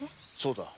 そうだ。